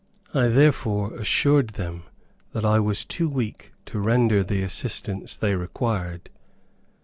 I therefore assured them that I was too weak to render the assistance they required.